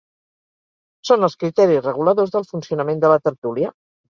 Són els criteris reguladors del funcionament de la tertúlia.